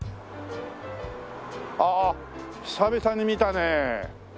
ああ久々に見たね。